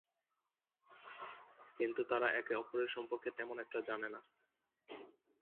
কিন্ত তারা একে অপরের সম্পর্কে তেমন একটা জানে না।